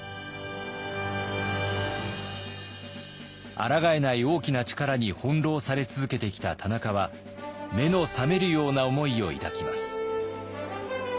あらがえない大きな力に翻弄され続けてきた田中は目の覚めるような思いを抱きます。